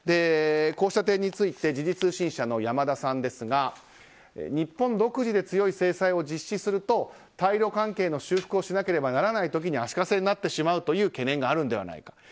こうした点について時事通信社の山田さんですが日本独自で強い制裁を実施すると対露関係の修復をしなければならない時に足かせになってしまうという懸念があるのではないか。